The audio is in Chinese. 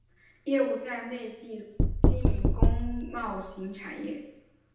业务在内地经营工贸型产业。